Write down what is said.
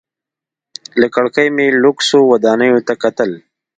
له کړکۍ مې لوکسو ودانیو ته کتل.